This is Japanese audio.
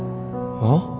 あっ？